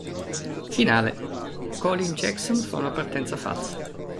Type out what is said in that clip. Finale: Colin Jackson fa una partenza falsa.